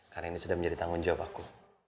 karena ini sudah menjadi tanggung jawab aku